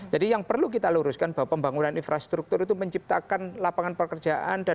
jadi yang perlu kita luruskan bahwa pembangunan infrastruktur itu menciptakan lapangan pekerjaan